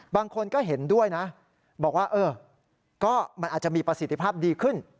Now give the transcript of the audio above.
บางคนก็เห็นด้วยนะบอกว่าเออก็มันอาจจะมีประสิทธิภาพดีขึ้น